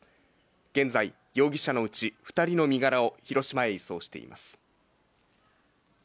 現在、容疑者のうち２人の身柄を広島へ移送しています。